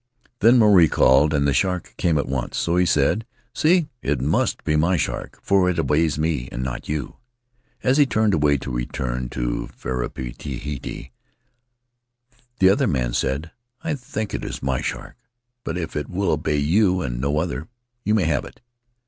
Then Maruae called and the shark came at once, so he said, 'See, it must be my shark, for it obeys me and not you/ As he turned away to return to Fariipiti, the other man said, ' I think it is my shark, but if it will obey you and no other, you may have it.'